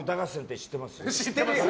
知ってますよ！